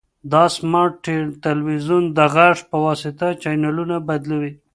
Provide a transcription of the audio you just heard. دا سمارټ تلویزیون د غږ په واسطه چینلونه بدلوي.